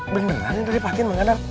beneran ini dari patin bangadar